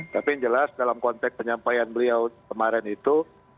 tapi yang jelas dalam konteks penyampaian beliau kemarin itu